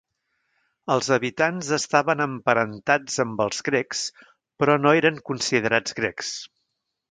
Els habitants estaven emparentats amb els grecs però no eren considerats grecs.